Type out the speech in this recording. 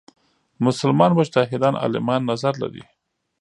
مسلمان مجتهدان عالمان نظر لري.